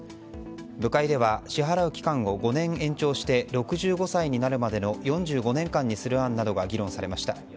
部会では支払う期間を５年延長して６５歳になるまでの４５年間にする案などが議論されました。